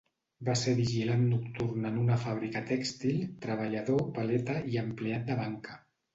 Va ser vigilant nocturn en una fàbrica tèxtil, treballador, paleta i empleat de banca.